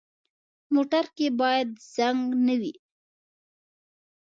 موټر کې باید زنګ نه وي.